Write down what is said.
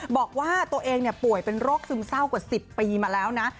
บอกว่าตัวเองป่วยเป็นโรคซึมเศร้ากว่า๑๐ปีมาแล้วนะ